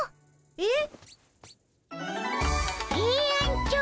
えっ？